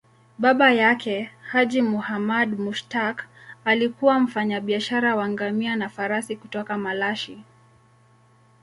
Baba yake, Haji Muhammad Mushtaq, alikuwa mfanyabiashara wa ngamia na farasi kutoka Malashi.